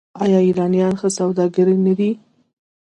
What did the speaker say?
آیا ایرانیان ښه سوداګر نه دي؟